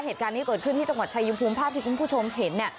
เหตุการณ์นี้เกิดขึ้นที่จังหวัดชายภูมิภาพที่คุณผู้ชมเห็น